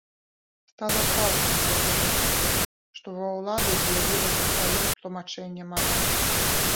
Стала цалкам зразумела, што ва ўлады з'явілася сваё тлумачэнне маралі.